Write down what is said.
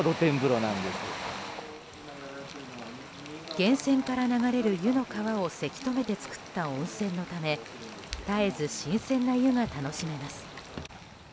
源泉から流れる湯の川をせき止めて作った温泉のため絶えず新鮮な湯が楽しめます。